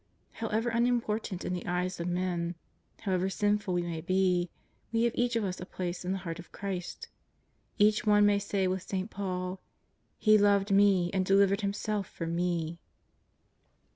However unimportant in the eyes of men, however sinful we may be, we have each of us a place in the Heart of Christ; each one may say with St. Paul: '^ He loved me and delivered Himself for me."